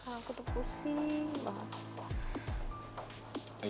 aku tuh pusing banget